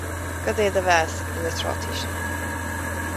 Cad é do mheas ar na trátaí sin?